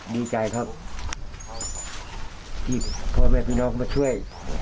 ดีใจครับที่พ่อแม่พี่น้องมาช่วย